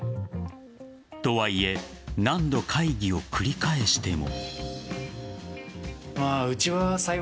とはいえ何度会議を繰り返しても。